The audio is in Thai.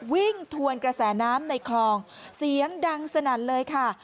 ทวนกระแสน้ำในคลองเสียงดังสนั่นเลยค่ะ